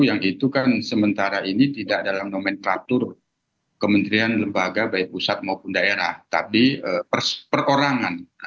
yang itu kan sementara ini tidak dalam nomenklatur kementerian lembaga baik pusat maupun daerah tapi perorangan